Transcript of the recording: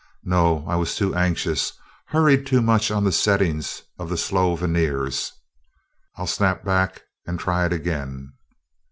Nope, I was too anxious hurried too much on the settings of the slow verniers. I'll snap back and try it again."